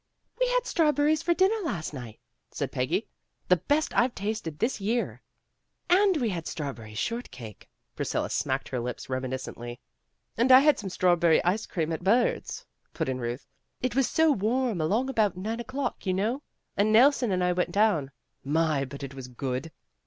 "We had strawberries for dinner last night," said Peggy, "the best I've tasted this year." "And we had strawberry short cake." Pris cilla smacked her lips reminiscently. "And I had some strawberry ice cream at Birds'," put in Ruth. "It was so warm along about nine o'clock, you know, and Nelson and I went down. My, but it was good!"